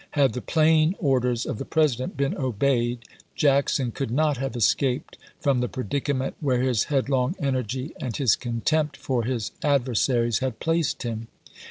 Had the plain orders of the President been obeyed, Jackson could not have escaped from the predicament where his headlong energy and his contempt for his adver saries had placed him.